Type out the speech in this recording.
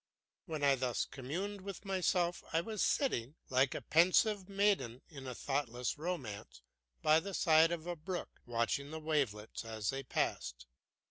When I thus communed with myself I was sitting, like a pensive maiden in a thoughtless romance, by the side of a brook, watching the wavelets as they passed.